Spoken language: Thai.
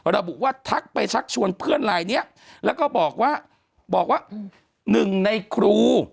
เราบอกว่าทักไปชักชวนเพื่อนไลน์เนี้ยแล้วก็บอกว่าหนึ่งในครู